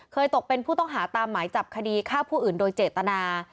ตกเป็นผู้ต้องหาตามหมายจับคดีฆ่าผู้อื่นโดยเจตนา